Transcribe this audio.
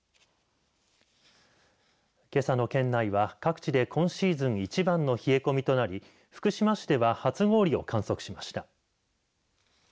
けさの県内は、各地で今シーズン一番の冷え込みとなり福島市では初氷を観測しました。